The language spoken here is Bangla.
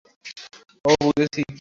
ওহ, বুঝেছি।